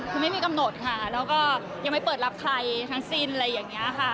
คือไม่มีกำหนดค่ะแล้วก็ยังไม่เปิดรับใครทั้งสิ้นอะไรอย่างนี้ค่ะ